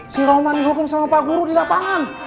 si roman dihukum sama pak guru di lapangan